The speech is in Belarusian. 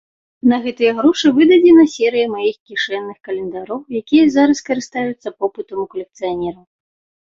На гэтыя грошы выдадзена серыя маіх кішэнных календароў, якія зараз карыстаюцца попытам у калекцыянераў.